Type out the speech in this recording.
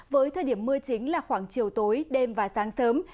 với thời điểm mưa chính là khoảng chiều tối đêm và sáng sớm